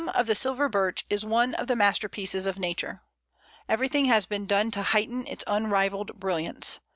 of the Silver Birch is one of the masterpieces of Nature. Everything has been done to heighten its unrivalled brilliance.